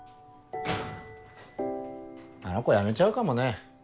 あの子辞めちゃうかもね。